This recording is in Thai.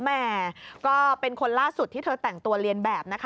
แหมก็เป็นคนล่าสุดที่เธอแต่งตัวเรียนแบบนะคะ